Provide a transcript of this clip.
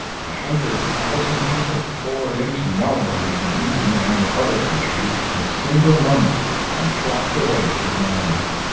A hundred thousand people poured into Melbourne from England and other countries in a single month, and flocked away to the mines.